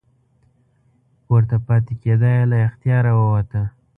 پورته پاتې کیدا یې له اختیاره ووته.